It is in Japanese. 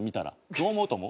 どう思うと思う？